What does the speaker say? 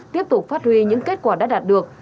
tiếp tục phát huy những kết quả đã đạt được